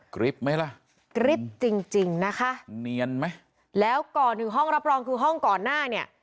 คลิปไหมล่ะกริ๊บจริงจริงนะคะเนียนไหมแล้วก่อนถึงห้องรับรองคือห้องก่อนหน้าเนี่ย